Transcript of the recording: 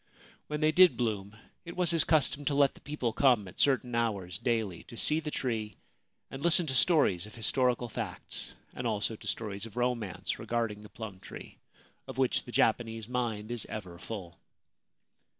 When they did bloom it was his custom to let the people come at certain hours daily to see the tree and listen to stories of historical facts, and also to stories of romance, regarding the plum tree, of which the Japanese mind is ever full.